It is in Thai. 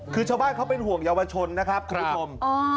คือชาวบ้านเขาเป็นห่วงเยาวชนนะครับคุณผู้ชม